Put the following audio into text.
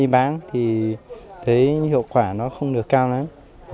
bán thì thấy hiệu quả nó không được cao lắm